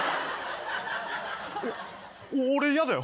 俺嫌だよ